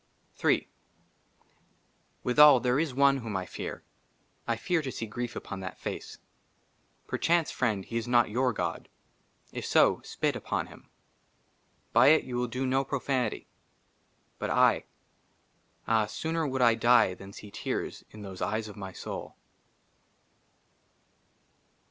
HI WITHAL, THERE IS ONE WHOM I FEAR ; I FEAR TO SEE GRIEF UPON THAT FACE. PERCHANCE, FRIEND, HE IS NOT YOUR GOD J IF SO, SPIT UPON HIM. BY IT YOU WILL DO NO PROFANITY. BUT I AH, SOONER WOULD 1 DIE THAN SEE TEARS IN THOSE EYES OF MY SOUL.